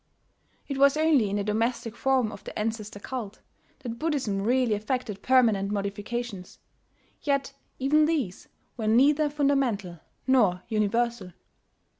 It was only in the domestic form of the ancestor cult that Buddhism really affected permanent modifications; yet even these were neither fundamental nor universal.